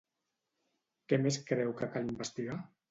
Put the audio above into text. Què més creu que cal investigar?